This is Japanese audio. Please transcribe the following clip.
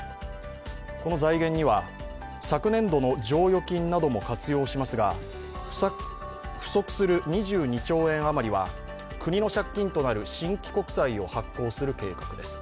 この財源には昨年度の剰余金なども活用しますが、不足する２２兆円余りは国の借金となる新規国債を発行する計画です。